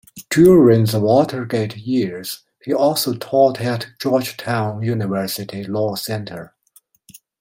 During the Watergate years, he also taught at Georgetown University Law Center.